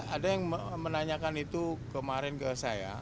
ada yang menanyakan itu kemarin ke saya